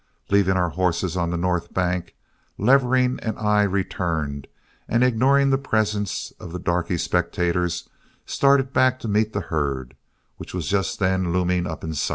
Leaving our horses on the north bank, Levering and I returned, and ignoring the presence of the darky spectators, started back to meet the herd, which was just then looming up in sight.